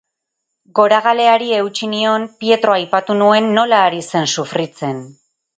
Goragaleari eutsi nion, Pietro aipatu nuen, nola ari zen sufritzen.